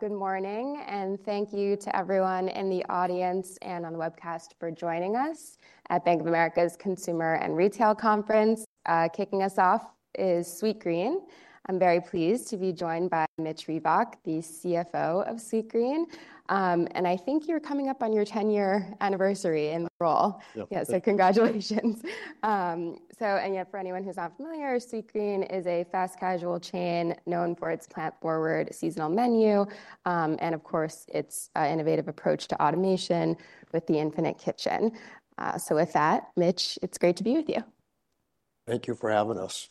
Good morning, and thank you to everyone in the audience and on the webcast for joining us at Bank of America's Consumer and Retail Conference. Kicking us off is Sweetgreen. I'm very pleased to be joined by Mitch Reback, the CFO of Sweetgreen. I think you're coming up on your 10-year anniversary in the role. Yeah. Yeah. Congratulations. For anyone who's not familiar, Sweetgreen is a fast casual chain known for its plant-forward seasonal menu. Of course, it's an innovative approach to automation with the Infinite Kitchen. With that, Mitch, it's great to be with you. Thank you for having us.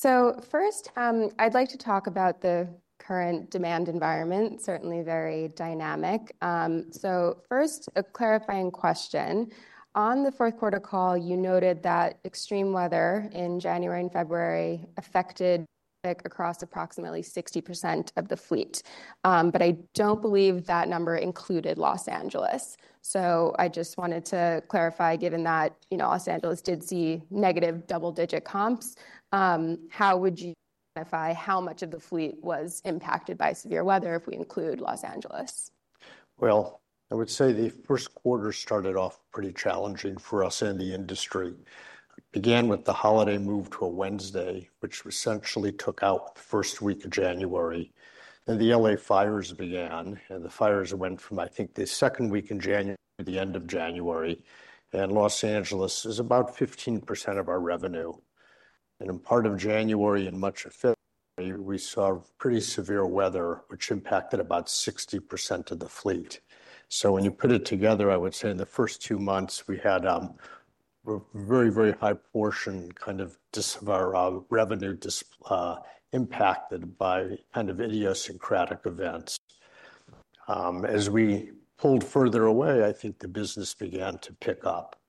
First, I'd like to talk about the current demand environment, certainly very dynamic. First, a clarifying question. On the fourth quarter call, you noted that extreme weather in January and February affected traffic across approximately 60% of the fleet. I don't believe that number included Los Angeles. I just wanted to clarify, given that, you know, Los Angeles did see negative double-digit comps, how would you quantify how much of the fleet was impacted by severe weather if we include Los Angeles? I would say the first quarter started off pretty challenging for us in the industry. It began with the holiday move to a Wednesday, which essentially took out the first week of January. The LA fires began, and the fires went from, I think, the second week in January, the end of January. Los Angeles is about 15% of our revenue. In part of January and much of February, we saw pretty severe weather, which impacted about 60% of the fleet. When you put it together, I would say in the first two months, we had a very, very high portion kind of of our revenue impacted by kind of idiosyncratic events. As we pulled further away, I think the business began to pick up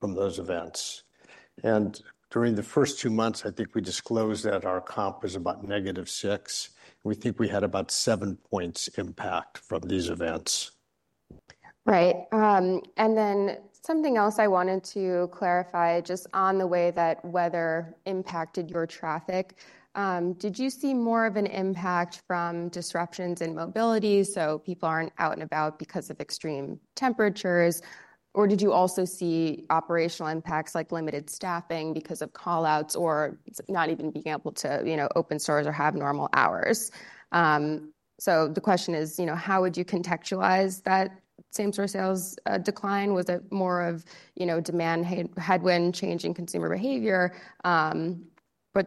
from those events. During the first two months, I think we disclosed that our comp was about -6%. We think we had about seven percentage points impact from these events. Right. Something else I wanted to clarify just on the way that weather impacted your traffic. Did you see more of an impact from disruptions in mobility, so people are not out and about because of extreme temperatures? Or did you also see operational impacts like limited staffing because of callouts or not even being able to, you know, open stores or have normal hours? The question is, you know, how would you contextualize that same-store sales decline? Was it more of, you know, demand headwind changing consumer behavior?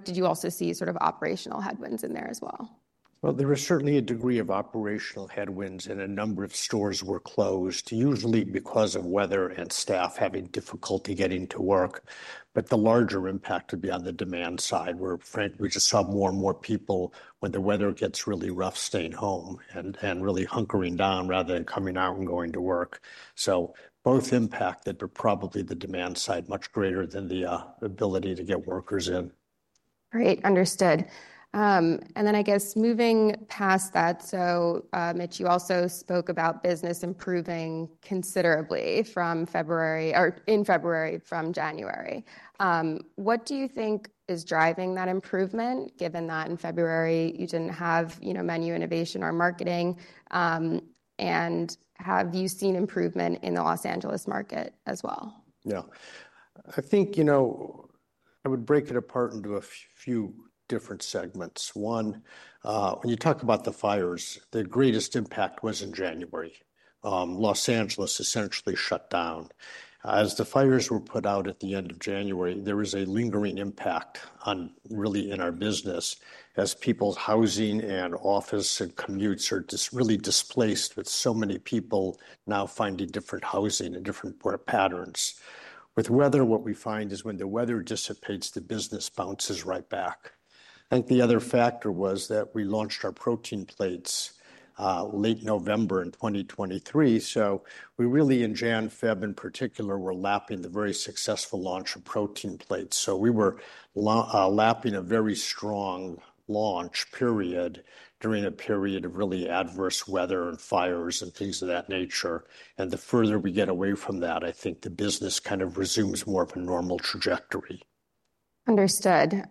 Did you also see sort of operational headwinds in there as well? There was certainly a degree of operational headwinds, and a number of stores were closed, usually because of weather and staff having difficulty getting to work. The larger impact would be on the demand side, where we just saw more and more people, when the weather gets really rough, staying home and really hunkering down rather than coming out and going to work. Both impacted, but probably the demand side much greater than the ability to get workers in. Great, understood. I guess moving past that, Mitch, you also spoke about business improving considerably from February or in February from January. What do you think is driving that improvement, given that in February you did not have, you know, menu innovation or marketing? Have you seen improvement in the Los Angeles market as well? Yeah, I think, you know, I would break it apart into a few different segments. One, when you talk about the fires, the greatest impact was in January. Los Angeles essentially shut down. As the fires were put out at the end of January, there was a lingering impact on really in our business as people's housing and office and commutes are just really displaced with so many people now finding different housing and different work patterns. With weather, what we find is when the weather dissipates, the business bounces right back. I think the other factor was that we launched our Protein Plates late November in 2023. We really, in January-February in particular, were lapping the very successful launch of Protein Plates. We were lapping a very strong launch period during a period of really adverse weather and fires and things of that nature. The further we get away from that, I think the business kind of resumes more of a normal trajectory. Understood.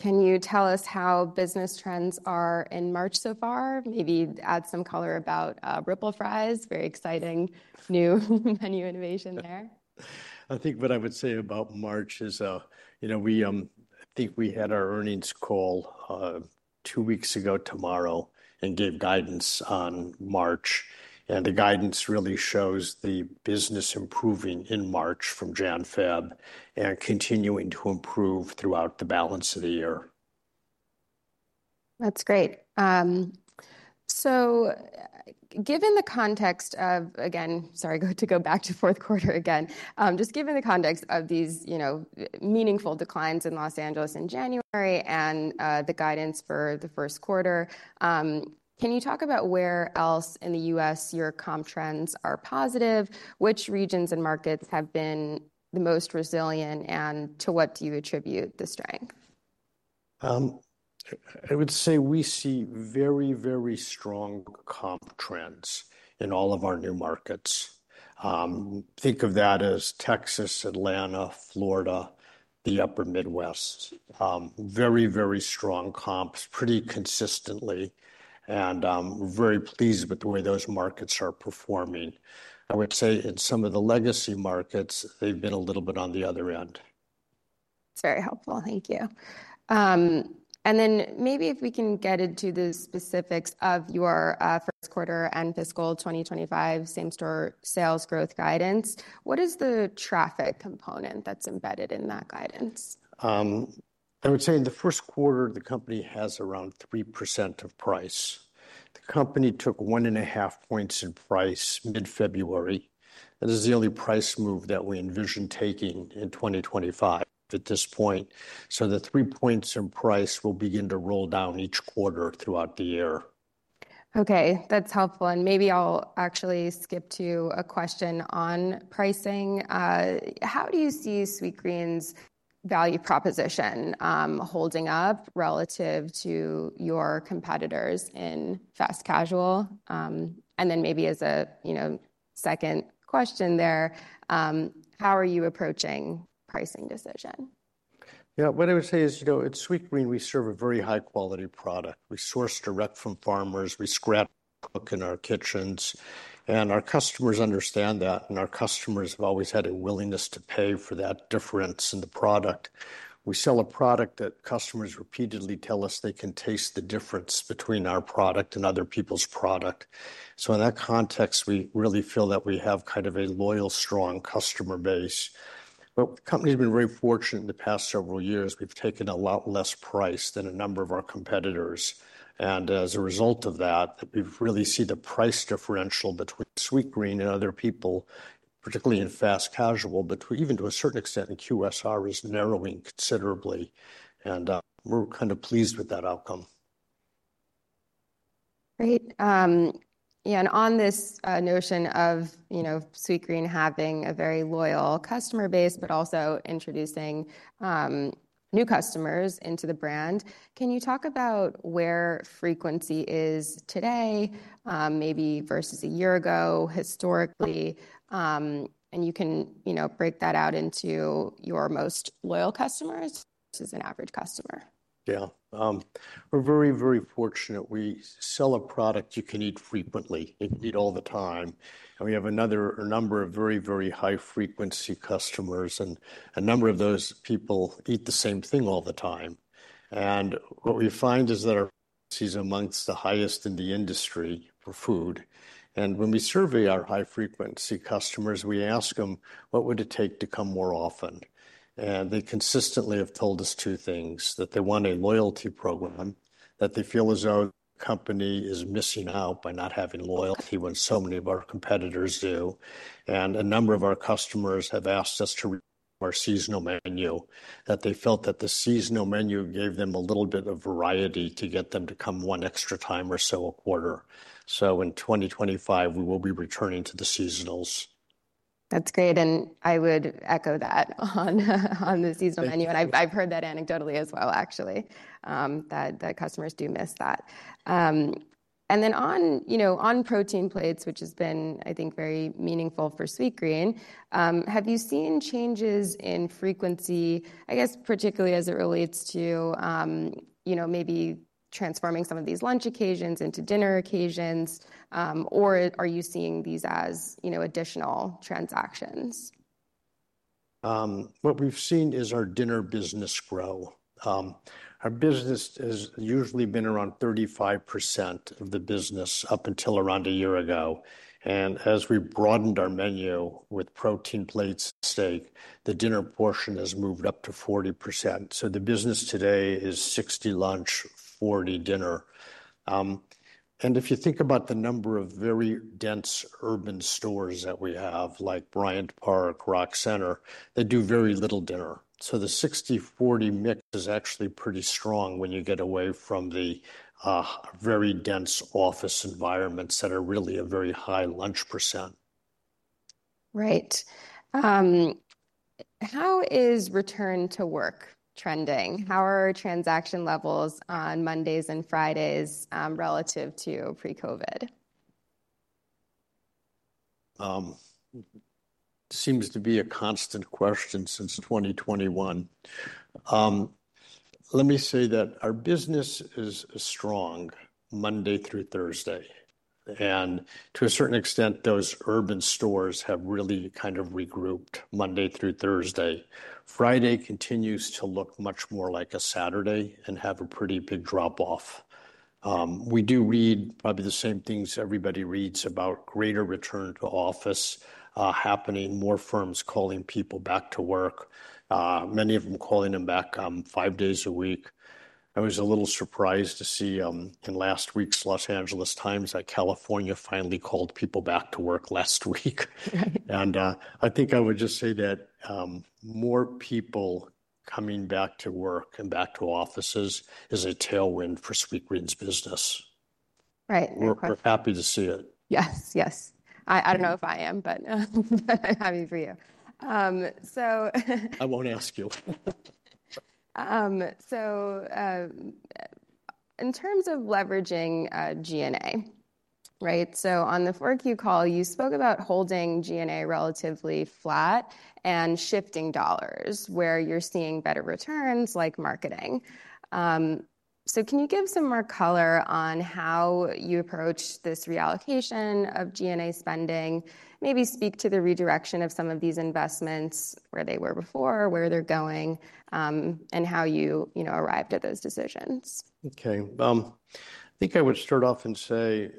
Can you tell us how business trends are in March so far? Maybe add some color about Ripple Fries, very exciting new menu innovation there. I think what I would say about March is, you know, we think we had our earnings call two weeks ago tomorrow and gave guidance on March. The guidance really shows the business improving in March from January-February and continuing to improve throughout the balance of the year. That's great. Given the context of, again, sorry, to go back to fourth quarter again, just given the context of these, you know, meaningful declines in Los Angeles in January and the guidance for the first quarter, can you talk about where else in the U.S. your comp trends are positive? Which regions and markets have been the most resilient, and to what do you attribute the strength? I would say we see very, very strong comp trends in all of our new markets. Think of that as Texas, Atlanta, Florida, the Upper Midwest. Very, very strong comps pretty consistently. We are very pleased with the way those markets are performing. I would say in some of the legacy markets, they have been a little bit on the other end. That's very helpful. Thank you. Maybe if we can get into the specifics of your first quarter and fiscal 2025 same-store sales growth guidance, what is the traffic component that's embedded in that guidance? I would say in the first quarter, the company has around 3% of price. The company took 1.5 percentage points in price mid-February. That is the only price move that we envision taking in 2025 at this point. The 3% in price will begin to roll down each quarter throughout the year. Okay, that's helpful. Maybe I'll actually skip to a question on pricing. How do you see Sweetgreen's value proposition holding up relative to your competitors in fast casual? Maybe as a, you know, second question there, how are you approaching pricing decision? Yeah, what I would say is, you know, at Sweetgreen, we serve a very high-quality product. We source direct from farmers. We scratch cook in our kitchens. And our customers understand that. And our customers have always had a willingness to pay for that difference in the product. We sell a product that customers repeatedly tell us they can taste the difference between our product and other people's product. In that context, we really feel that we have kind of a loyal, strong customer base. The company's been very fortunate in the past several years. We've taken a lot less price than a number of our competitors. As a result of that, we really see the price differential between Sweetgreen and other people, particularly in fast casual, but even to a certain extent in QSR, is narrowing considerably. We're kind of pleased with that outcome. Great. Yeah, and on this notion of, you know, Sweetgreen having a very loyal customer base, but also introducing new customers into the brand, can you talk about where frequency is today, maybe versus a year ago historically? And you can, you know, break that out into your most loyal customers versus an average customer. Yeah, we're very, very fortunate. We sell a product you can eat frequently, eat all the time. We have a number of very, very high-frequency customers. A number of those people eat the same thing all the time. What we find is that our frequency is amongst the highest in the industry for food. When we survey our high-frequency customers, we ask them what would it take to come more often. They consistently have told us two things: that they want a loyalty program, that they feel as though the company is missing out by not having loyalty when so many of our competitors do. A number of our customers have asked us to re-order our seasonal menu, that they felt that the seasonal menu gave them a little bit of variety to get them to come one extra time or so a quarter. In 2025, we will be returning to the seasonals. That's great. I would echo that on the seasonal menu. I've heard that anecdotally as well, actually, that customers do miss that. On Protein Plates, which has been, I think, very meaningful for Sweetgreen, have you seen changes in frequency, I guess, particularly as it relates to, you know, maybe transforming some of these lunch occasions into dinner occasions? Or are you seeing these as, you know, additional transactions? What we've seen is our dinner business grow. Our business has usually been around 35% of the business up until around a year ago. As we've broadened our menu with Protein Plates and steak, the dinner portion has moved up to 40%. The business today is 60% lunch, 40% dinner. If you think about the number of very dense urban stores that we have, like Bryant Park, Rockefeller Center, that do very little dinner, the 60%, 40% mix is actually pretty strong when you get away from the very dense office environments that are really a very high lunch percent. Right. How is return to work trending? How are transaction levels on Mondays and Fridays relative to pre-COVID? Seems to be a constant question since 2021. Let me say that our business is strong Monday through Thursday. To a certain extent, those urban stores have really kind of regrouped Monday through Thursday. Friday continues to look much more like a Saturday and have a pretty big drop-off. We do read probably the same things everybody reads about greater return to office happening, more firms calling people back to work, many of them calling them back five days a week. I was a little surprised to see in last week's Los Angeles Times that California finally called people back to work last week. I think I would just say that more people coming back to work and back to offices is a tailwind for Sweetgreen's business. Right. We're happy to see it. Yes, yes. I don't know if I am, but I'm happy for you. I won't ask you. In terms of leveraging G&A, right? On the 4Q call, you spoke about holding G&A relatively flat and shifting dollars where you're seeing better returns like marketing. Can you give some more color on how you approach this reallocation of G&A spending, maybe speak to the redirection of some of these investments where they were before, where they're going, and how you, you know, arrived at those decisions? Okay. I think I would start off and say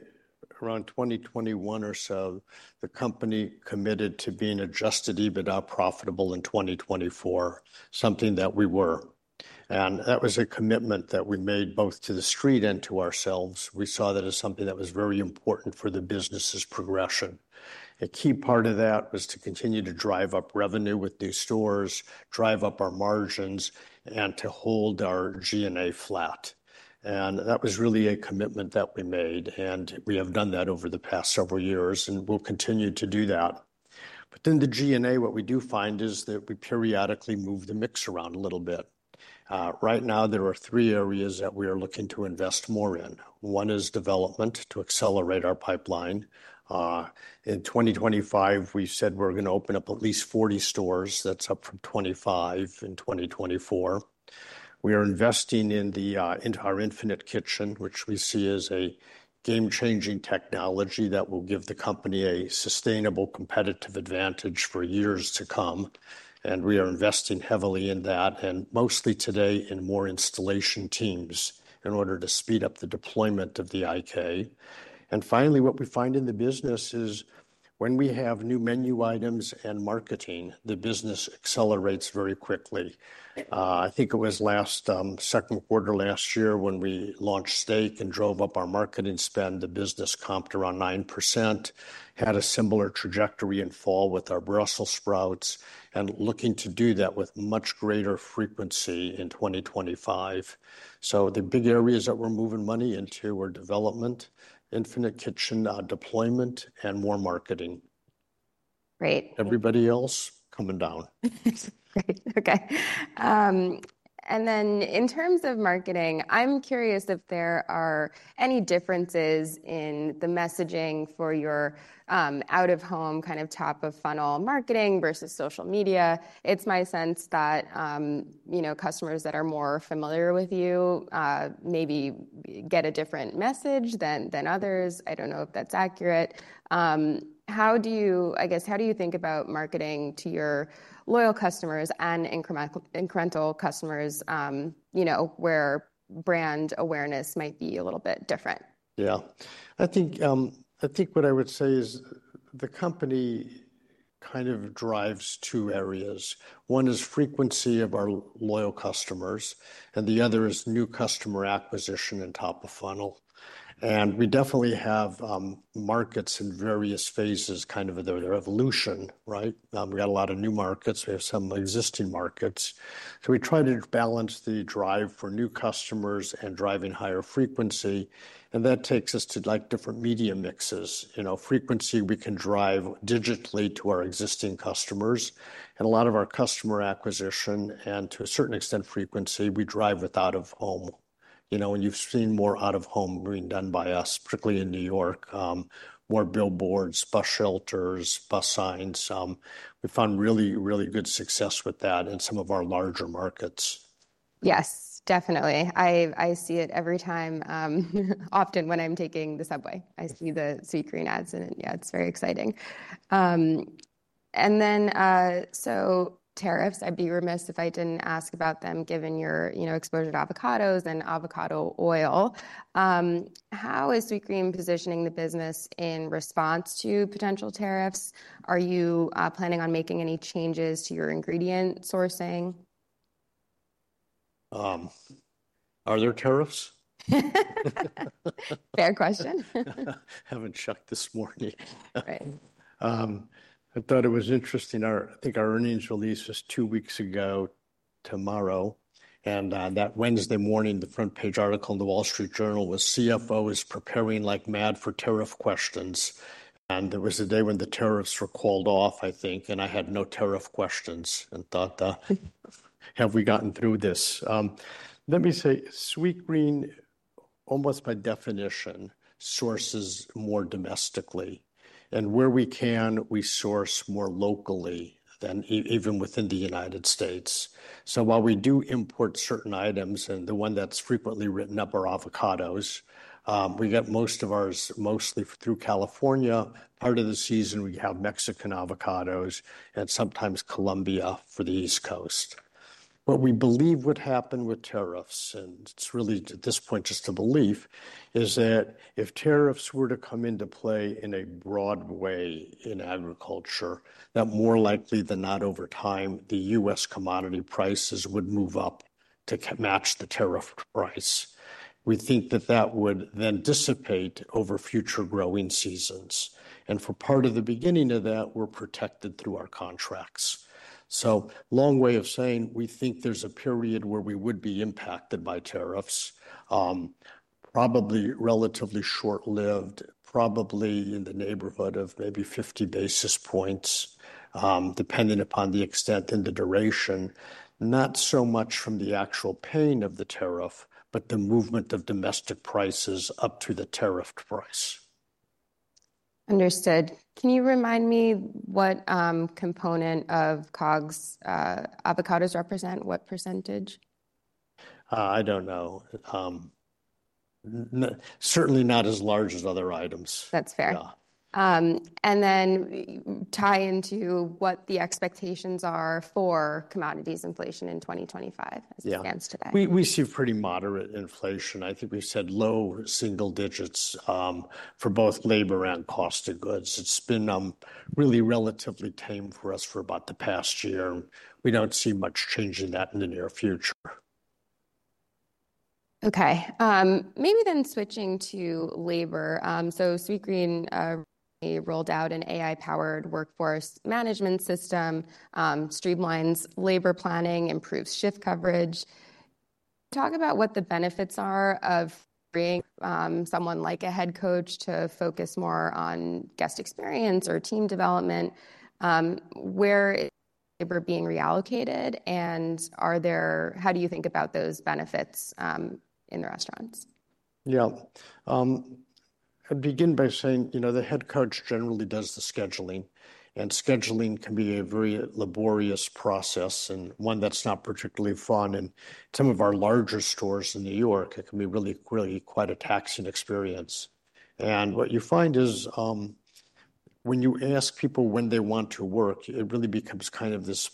around 2021 or so, the company committed to being adjusted EBITDA profitable in 2024, something that we were. That was a commitment that we made both to the street and to ourselves. We saw that as something that was very important for the business's progression. A key part of that was to continue to drive up revenue with new stores, drive up our margins, and to hold our G&A flat. That was really a commitment that we made. We have done that over the past several years and will continue to do that. The G&A, what we do find is that we periodically move the mix around a little bit. Right now, there are three areas that we are looking to invest more in. One is development to accelerate our pipeline. In 2025, we said we're going to open up at least 40 stores. That's up from 25 in 2024. We are investing in our Infinite Kitchen, which we see as a game-changing technology that will give the company a sustainable competitive advantage for years to come. We are investing heavily in that, and mostly today in more installation teams in order to speed up the deployment of the IK. Finally, what we find in the business is when we have new menu items and marketing, the business accelerates very quickly. I think it was last second quarter last year when we launched steak and drove up our marketing spend, the business comped around 9%, had a similar trajectory in fall with our Brussels Sprouts, and looking to do that with much greater frequency in 2025. The big areas that we're moving money into are development, Infinite Kitchen deployment, and more marketing. Great. Everybody else coming down. Great. Okay. In terms of marketing, I'm curious if there are any differences in the messaging for your out-of-home kind of top-of-funnel marketing versus social media. It's my sense that, you know, customers that are more familiar with you maybe get a different message than others. I don't know if that's accurate. How do you, I guess, how do you think about marketing to your loyal customers and incremental customers, you know, where brand awareness might be a little bit different? Yeah. I think what I would say is the company kind of drives two areas. One is frequency of our loyal customers, and the other is new customer acquisition and top-of-funnel. We definitely have markets in various phases, kind of their evolution, right? We got a lot of new markets. We have some existing markets. We try to balance the drive for new customers and driving higher frequency. That takes us to like different media mixes. You know, frequency we can drive digitally to our existing customers. A lot of our customer acquisition and to a certain extent frequency, we drive with out-of-home. You know, and you've seen more out-of-home being done by us, particularly in New York, more billboards, bus shelters, bus signs. We found really, really good success with that in some of our larger markets. Yes, definitely. I see it every time, often when I'm taking the subway. I see the Sweetgreen ads, and yeah, it's very exciting. Tariffs, I'd be remiss if I didn't ask about them given your, you know, exposure to avocados and avocado oil. How is Sweetgreen positioning the business in response to potential tariffs? Are you planning on making any changes to your ingredient sourcing? Are there tariffs? Fair question. Haven't checked this morning. Right. I thought it was interesting. I think our earnings release is two weeks ago tomorrow. That Wednesday morning, the front page article in The Wall Street Journal was, CFO is preparing like mad for tariff questions. There was a day when the tariffs were called off, I think, and I had no tariff questions and thought, have we gotten through this? Let me say, Sweetgreen, almost by definition, sources more domestically. Where we can, we source more locally than even within the United States. While we do import certain items, and the one that's frequently written up are avocados, we get most of ours mostly through California. Part of the season, we have Mexican avocados and sometimes Colombia for the East Coast. What we believe would happen with tariffs, and it's really at this point just a belief, is that if tariffs were to come into play in a broad way in agriculture, that more likely than not over time, the U.S. commodity prices would move up to match the tariff price. We think that that would then dissipate over future growing seasons. For part of the beginning of that, we're protected through our contracts. Long way of saying, we think there's a period where we would be impacted by tariffs, probably relatively short-lived, probably in the neighborhood of maybe 50 basis points, depending upon the extent and the duration, not so much from the actual pain of the tariff, but the movement of domestic prices up to the tariffed price. Understood. Can you remind me what component of COGS avocados represent? What %? I don't know. Certainly not as large as other items. That's fair. Tie into what the expectations are for commodities inflation in 2025 as it stands today. Yeah, we see pretty moderate inflation. I think we've said low single digits for both labor and cost of goods. It's been really relatively tame for us for about the past year. We don't see much change in that in the near future. Okay. Maybe then switching to labor. Sweetgreen rolled out an AI-driven labor scheduling system, streamlines labor planning, improves shift coverage. Talk about what the benefits are of bringing someone like a head coach to focus more on guest experience or team development. Where is labor being reallocated? How do you think about those benefits in the restaurants? Yeah. I'd begin by saying, you know, the head coach generally does the scheduling. Scheduling can be a very laborious process and one that's not particularly fun. In some of our larger stores in New York, it can be really, really quite a taxing experience. What you find is when you ask people when they want to work, it really becomes kind of this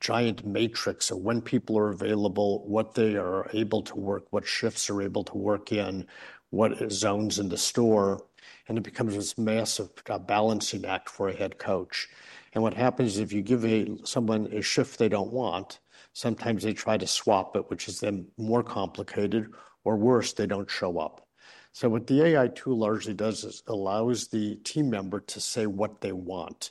giant matrix of when people are available, what they are able to work, what shifts they're able to work in, what zones in the store. It becomes this massive balancing act for a head coach. What happens is if you give someone a shift they do not want, sometimes they try to swap it, which is then more complicated, or worse, they do not show up. What the AI tool largely does is allows the team member to say what they want.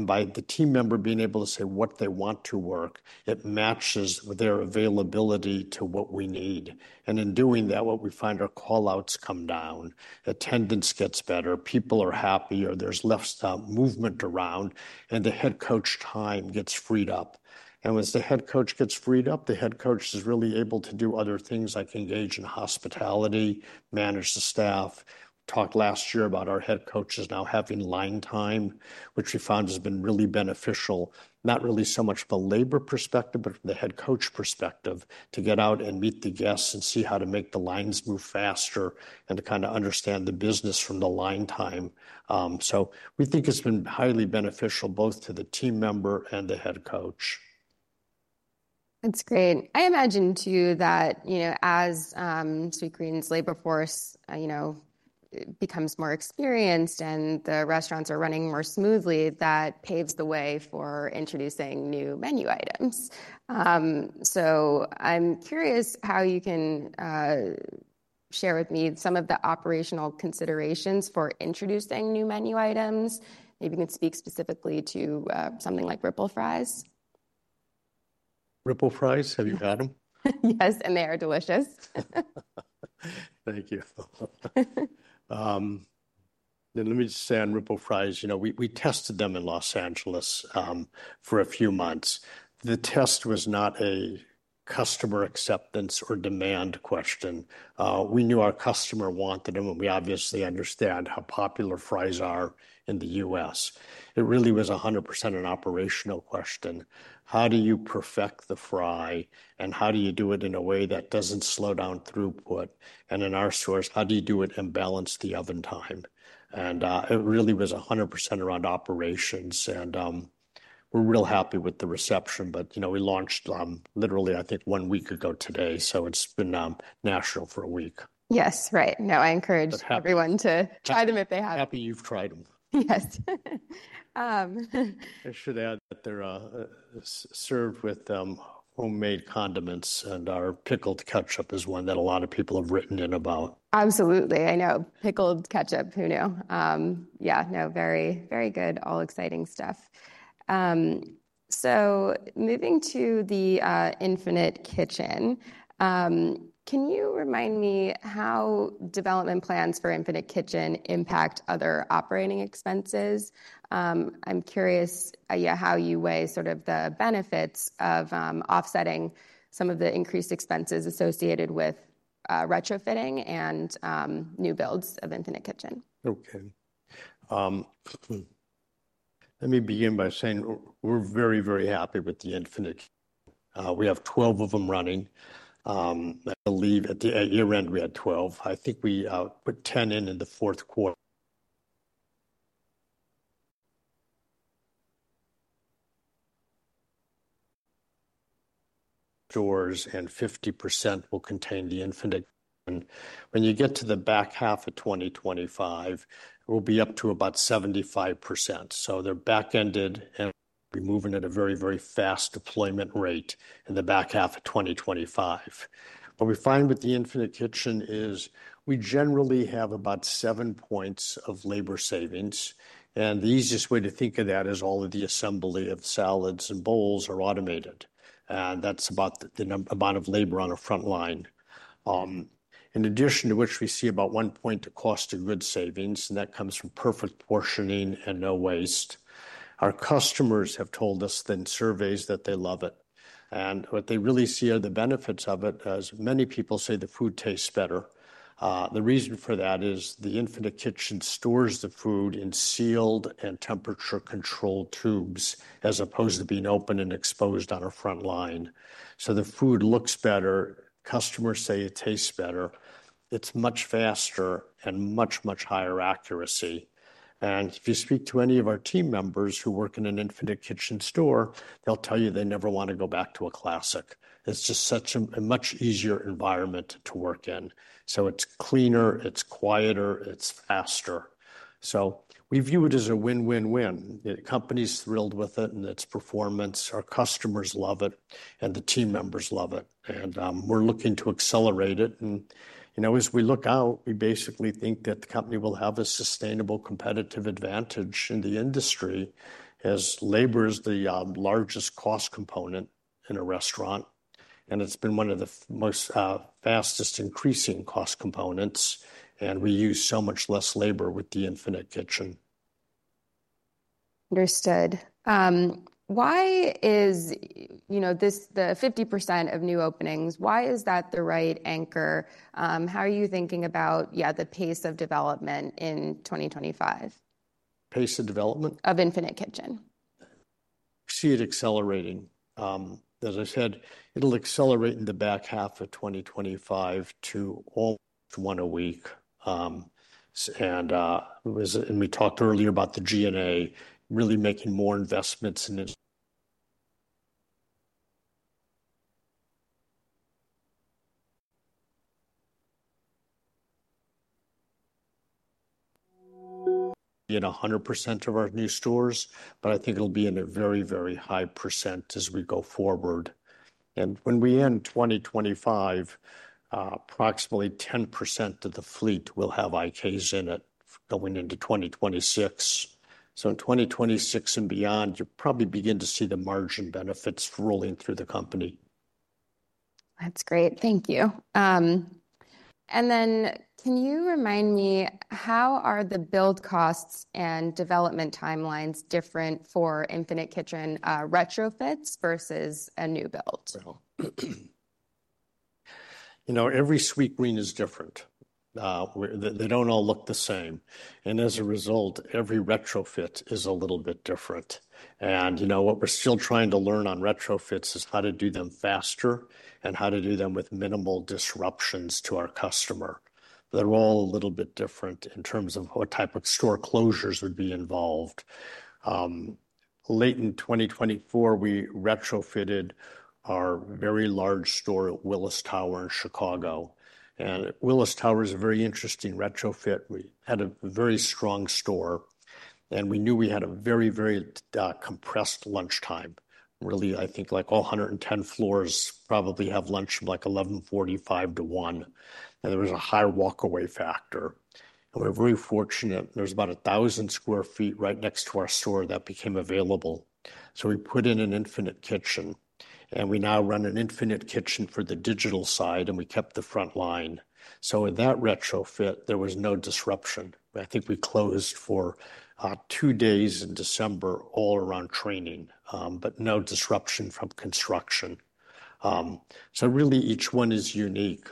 By the team member being able to say what they want to work, it matches their availability to what we need. In doing that, what we find are callouts come down, attendance gets better, people are happier, there is less movement around, and the head coach time gets freed up. As the head coach gets freed up, the head coach is really able to do other things like engage in hospitality, manage the staff. Talked last year about our head coaches now having line time, which we found has been really beneficial, not really so much from a labor perspective, but from the head coach perspective, to get out and meet the guests and see how to make the lines move faster and to kind of understand the business from the line time. We think it's been highly beneficial both to the team member and the head coach. That's great. I imagine too that, you know, as Sweetgreen's labor force, you know, becomes more experienced and the restaurants are running more smoothly, that paves the way for introducing new menu items. I am curious how you can share with me some of the operational considerations for introducing new menu items. Maybe you can speak specifically to something like Ripple Fries. Ripple Fries? Have you had them? Yes, they are delicious. Thank you. Let me just say on Ripple Fries, you know, we tested them in Los Angeles for a few months. The test was not a customer acceptance or demand question. We knew our customer wanted them, and we obviously understand how popular fries are in the U.S. It really was 100% an operational question. How do you perfect the fry? And how do you do it in a way that does not slow down throughput? In our stores, how do you do it and balance the oven time? It really was 100% around operations. We are real happy with the reception, but you know, we launched literally, I think, one week ago today. It has been national for a week. Yes, right. No, I encourage everyone to try them if they haven't. Happy you've tried them. Yes. I should add that they're served with homemade condiments, and our pickled ketchup is one that a lot of people have written in about. Absolutely. I know. Pickled ketchup, who knew? Yeah, no, very, very good. All exciting stuff. Moving to the Infinite Kitchen, can you remind me how development plans for Infinite Kitchen impact other operating expenses? I'm curious how you weigh sort of the benefits of offsetting some of the increased expenses associated with retrofitting and new builds of Infinite Kitchen. Okay. Let me begin by saying we're very, very happy with the Infinite Kitchen. We have 12 of them running. I believe at the year-end, we had 12. I think we put 10 in in the fourth quarter. Stores and 50% will contain the Infinite Kitchen. When you get to the back half of 2025, it will be up to about 75%. They are back-ended, and we're moving at a very, very fast deployment rate in the back half of 2025. What we find with the Infinite Kitchen is we generally have about seven points of labor savings. The easiest way to think of that is all of the assembly of salads and bowls are automated. That's about the amount of labor on a front line. In addition to which, we see about one point of cost of good savings, and that comes from perfect portioning and no waste. Our customers have told us in surveys that they love it. What they really see are the benefits of it, as many people say the food tastes better. The reason for that is the Infinite Kitchen stores the food in sealed and temperature-controlled tubes as opposed to being open and exposed on our front line. The food looks better. Customers say it tastes better. It is much faster and much, much higher accuracy. If you speak to any of our team members who work in an Infinite Kitchen store, they'll tell you they never want to go back to a classic. It is just such a much easier environment to work in. It is cleaner, it is quieter, it is faster. We view it as a win-win-win. The company's thrilled with it and its performance. Our customers love it, and the team members love it. We're looking to accelerate it. You know, as we look out, we basically think that the company will have a sustainable competitive advantage in the industry as labor is the largest cost component in a restaurant. It's been one of the fastest increasing cost components. We use so much less labor with the Infinite Kitchen. Understood. Why is, you know, the 50% of new openings, why is that the right anchor? How are you thinking about, yeah, the pace of development in 2025? Pace of development. Of Infinite Kitchen. I see it accelerating. As I said, it'll accelerate in the back half of 2025 to almost one a week. We talked earlier about the G&A really making more investments in it. In 100% of our new stores, but I think it'll be in a very, very high percent as we go forward. When we end 2025, approximately 10% of the fleet will have IKs in it going into 2026. In 2026 and beyond, you'll probably begin to see the margin benefits rolling through the company. That's great. Thank you. Can you remind me, how are the build costs and development timelines different for Infinite Kitchen retrofits versus a new build? You know, every Sweetgreen is different. They do not all look the same. As a result, every retrofit is a little bit different. You know, what we are still trying to learn on retrofits is how to do them faster and how to do them with minimal disruptions to our customer. They are all a little bit different in terms of what type of store closures would be involved. Late in 2024, we retrofitted our very large store at Willis Tower in Chicago. Willis Tower is a very interesting retrofit. We had a very strong store, and we knew we had a very, very compressed lunchtime. Really, I think like all 110 floors probably have lunch from like 11:45 A.M. to 1:00 P.M. There was a high walk-away factor. We are very fortunate. There is about 1,000 sq ft right next to our store that became available. We put in an Infinite Kitchen, and we now run an Infinite Kitchen for the digital side, and we kept the front line. In that retrofit, there was no disruption. I think we closed for two days in December all around training, but no disruption from construction. Really, each one is unique.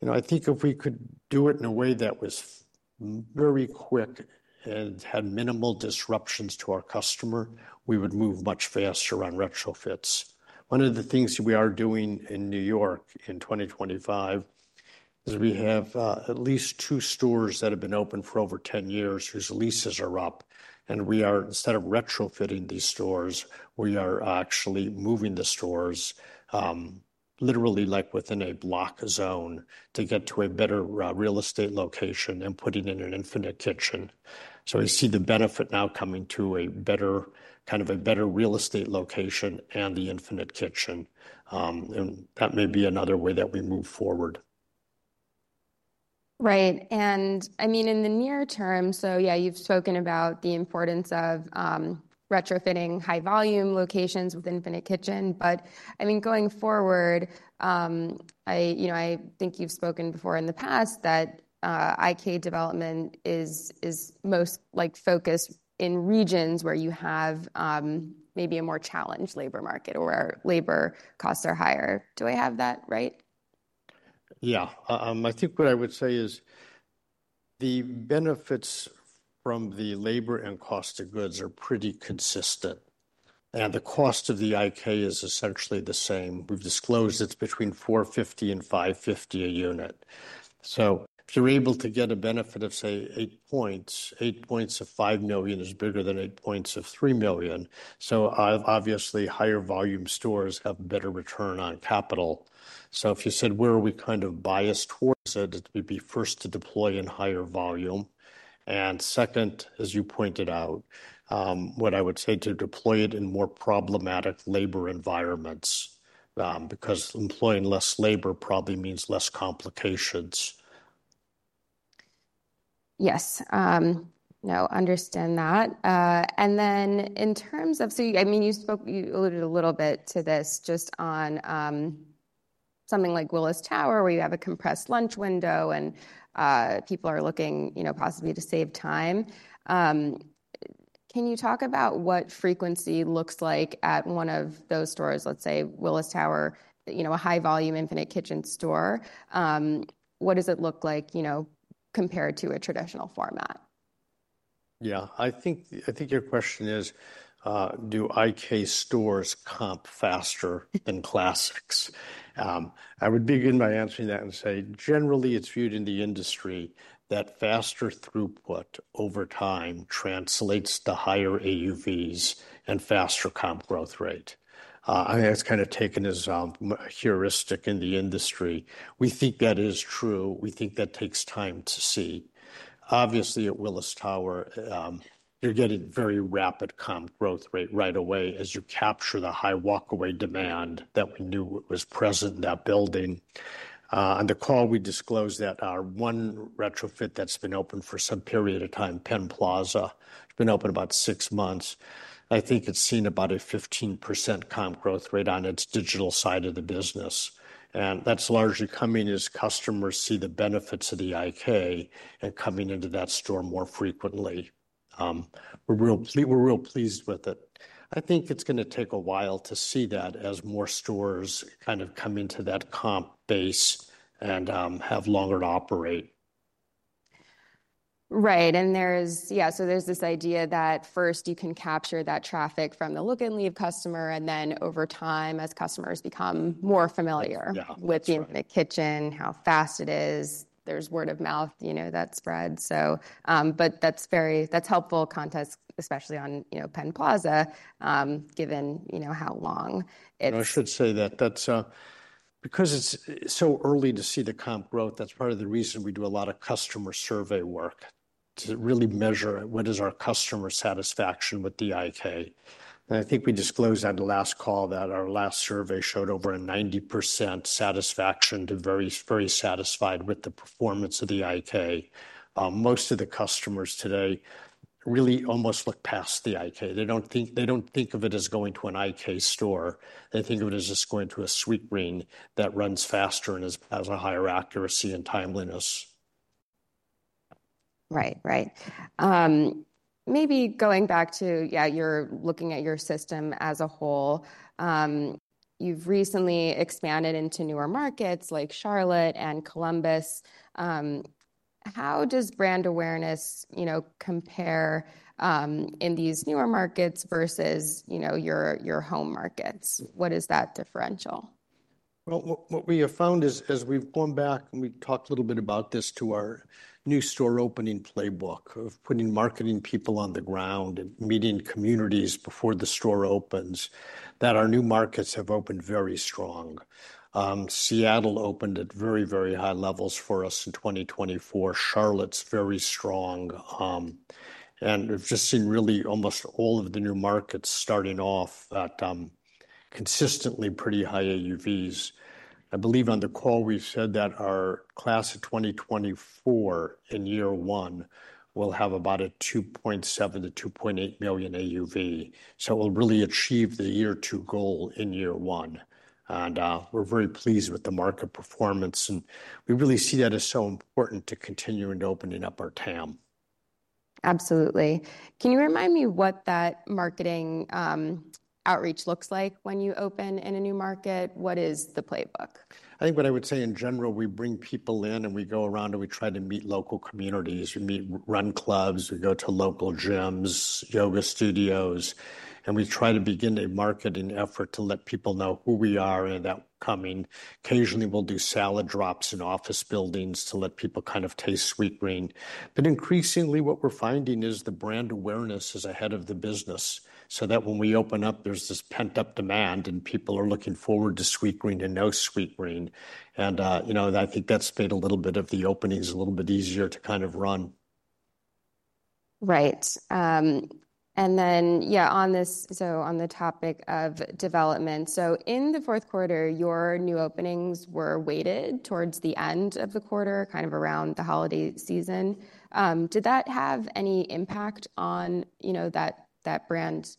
You know, I think if we could do it in a way that was very quick and had minimal disruptions to our customer, we would move much faster on retrofits. One of the things that we are doing in New York in 2025 is we have at least two stores that have been open for over 10 years whose leases are up. We are, instead of retrofitting these stores, actually moving the stores literally like within a block zone to get to a better real estate location and putting in an Infinite Kitchen. We see the benefit now coming to a better kind of a better real estate location and the Infinite Kitchen. That may be another way that we move forward. Right. I mean, in the near term, yeah, you've spoken about the importance of retrofitting high-volume locations with Infinite Kitchen. I mean, going forward, you know, I think you've spoken before in the past that IK development is most focused in regions where you have maybe a more challenged labor market or labor costs are higher. Do I have that right? Yeah. I think what I would say is the benefits from the labor and cost of goods are pretty consistent. The cost of the IK is essentially the same. We've disclosed it's between $450,000-$550,000 a unit. If you're able to get a benefit of, say, eight percentage points, eight percentage points of $5 million is bigger than eight percentage points of $3 million. Obviously, higher volume stores have a better return on capital. If you said, where are we kind of biased towards it, it would be first to deploy in higher volume. Second, as you pointed out, what I would say is to deploy it in more problematic labor environments because employing less labor probably means less complications. Yes. No, understand that. In terms of, I mean, you alluded a little bit to this just on something like Willis Tower where you have a compressed lunch window and people are looking, you know, possibly to save time. Can you talk about what frequency looks like at one of those stores, let's say Willis Tower, you know, a high-volume Infinite Kitchen store? What does it look like, you know, compared to a traditional format? Yeah. I think your question is, do IK stores comp faster than classics? I would begin by answering that and say, generally, it's viewed in the industry that faster throughput over time translates to higher AUVs and faster comp growth rate. I mean, that's kind of taken as a heuristic in the industry. We think that is true. We think that takes time to see. Obviously, at Willis Tower, you're getting very rapid comp growth rate right away as you capture the high walk-away demand that we knew was present in that building. On the call, we disclosed that our one retrofit that's been open for some period of time, Penn Plaza, has been open about six months. I think it's seen about a 15% comp growth rate on its digital side of the business. That is largely coming as customers see the benefits of the IK and coming into that store more frequently. We are real pleased with it. I think it is going to take a while to see that as more stores kind of come into that comp base and have longer to operate. Right. Yeah, so there's this idea that first you can capture that traffic from the look-and-leave customer, and then over time, as customers become more familiar with the Infinite Kitchen, how fast it is, there's word of mouth, you know, that spreads. That's very helpful context, especially on, you know, Penn Plaza, given, you know, how long it's. I should say that that's because it's so early to see the comp growth. That's part of the reason we do a lot of customer survey work to really measure what is our customer satisfaction with the IK. I think we disclosed on the last call that our last survey showed over a 90% satisfaction to very, very satisfied with the performance of the IK. Most of the customers today really almost look past the IK. They don't think of it as going to an IK store. They think of it as just going to a Sweetgreen that runs faster and has a higher accuracy and timeliness. Right, right. Maybe going back to, yeah, you're looking at your system as a whole. You've recently expanded into newer markets like Charlotte and Columbus. How does brand awareness, you know, compare in these newer markets versus, you know, your home markets? What is that differential? What we have found is as we've gone back and we've talked a little bit about this to our new store opening playbook of putting marketing people on the ground and meeting communities before the store opens, that our new markets have opened very strong. Seattle opened at very, very high levels for us in 2024. Charlotte's very strong. We've just seen really almost all of the new markets starting off at consistently pretty high AUVs. I believe on the call we said that our class of 2024 in year one will have about a $2.7 million-$2.8 million AUV. We'll really achieve the year-two goal in year one. We are very pleased with the market performance. We really see that as so important to continuing to opening up our TAM. Absolutely. Can you remind me what that marketing outreach looks like when you open in a new market? What is the playbook? I think what I would say in general, we bring people in and we go around and we try to meet local communities. We run clubs, we go to local gyms, yoga studios. We try to begin a marketing effort to let people know who we are and that we're coming. Occasionally, we'll do salad drops in office buildings to let people kind of taste Sweetgreen. Increasingly, what we're finding is the brand awareness is ahead of the business. When we open up, there's this pent-up demand and people are looking forward to Sweetgreen and know Sweetgreen. You know, I think that's made a little bit of the openings a little bit easier to kind of run. Right. And then, yeah, on this, on the topic of development, in the fourth quarter, your new openings were weighted towards the end of the quarter, kind of around the holiday season. Did that have any impact on, you know, that brand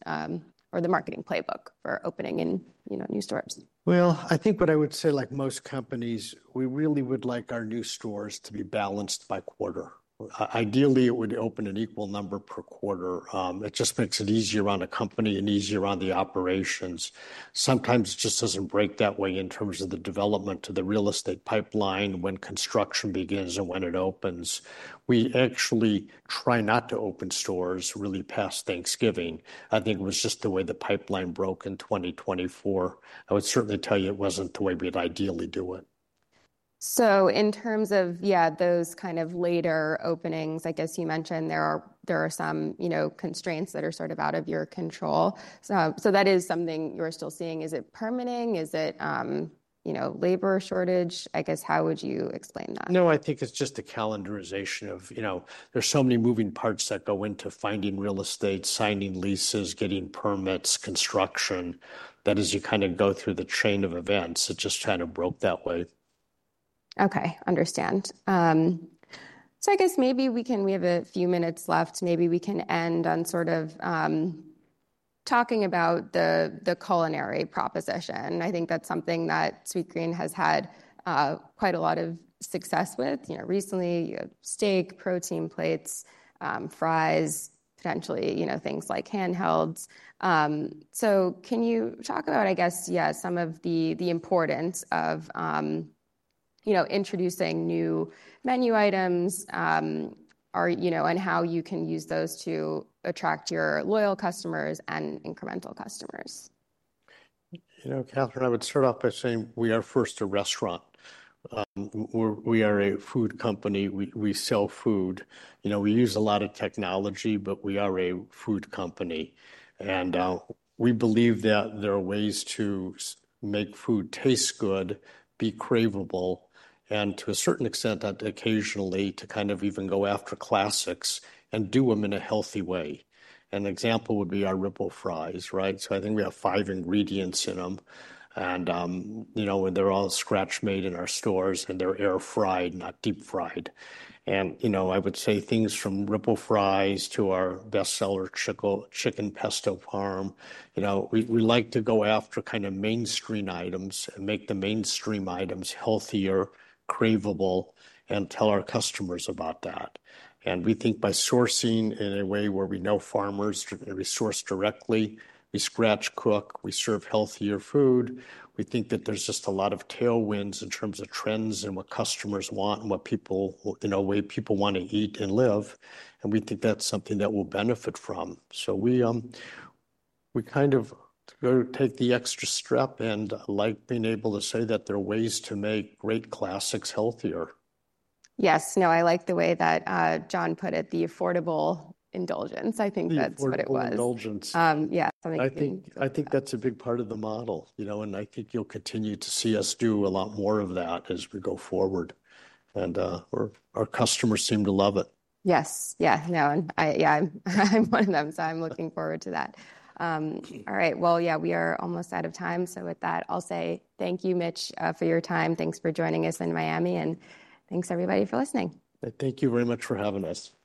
or the marketing playbook for opening in, you know, new stores? I think what I would say, like most companies, we really would like our new stores to be balanced by quarter. Ideally, it would open an equal number per quarter. It just makes it easier on a company and easier on the operations. Sometimes it just doesn't break that way in terms of the development of the real estate pipeline when construction begins and when it opens. We actually try not to open stores really past Thanksgiving. I think it was just the way the pipeline broke in 2024. I would certainly tell you it wasn't the way we'd ideally do it. In terms of, yeah, those kind of later openings, I guess you mentioned there are some, you know, constraints that are sort of out of your control. That is something you're still seeing. Is it permitting? Is it, you know, labor shortage? I guess how would you explain that? No, I think it's just a calendarization of, you know, there's so many moving parts that go into finding real estate, signing leases, getting permits, construction. That is, you kind of go through the chain of events. It just kind of broke that way. Okay. Understand. I guess maybe we can, we have a few minutes left. Maybe we can end on sort of talking about the culinary proposition. I think that's something that Sweetgreen has had quite a lot of success with, you know, recently, steak, Protein Plates, fries, potentially, you know, things like handhelds. Can you talk about, I guess, yeah, some of the importance of, you know, introducing new menu items or, you know, and how you can use those to attract your loyal customers and incremental customers? You know, Catherine, I would start off by saying we are first a restaurant. We are a food company. We sell food. You know, we use a lot of technology, but we are a food company. We believe that there are ways to make food taste good, be craveable, and to a certain extent, occasionally to kind of even go after classics and do them in a healthy way. An example would be our Ripple Fries, right? I think we have five ingredients in them. You know, they're all scratch-made in our stores and they're air-fried, not deep-fried. You know, I would say things from Ripple Fries to our bestseller Chicken Pesto Parm. You know, we like to go after kind of mainstream items and make the mainstream items healthier, craveable, and tell our customers about that. We think by sourcing in a way where we know farmers, we source directly, we scratch cook, we serve healthier food. We think that there's just a lot of tailwinds in terms of trends and what customers want and what people, you know, way people want to eat and live. We think that's something that we'll benefit from. We kind of go take the extra step and like being able to say that there are ways to make great classics healthier. Yes. No, I like the way that John put it, the affordable indulgence. I think that's what it was. Affordable indulgence. Yeah. I think that's a big part of the model, you know, and I think you'll continue to see us do a lot more of that as we go forward. Our customers seem to love it. Yes. Yeah. No, yeah, I'm one of them. I'm looking forward to that. All right. We are almost out of time. With that, I'll say thank you, Mitch, for your time. Thanks for joining us in Miami. Thanks everybody for listening. Thank you very much for having us.